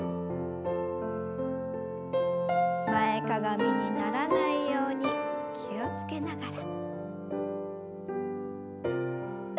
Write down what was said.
前かがみにならないように気を付けながら。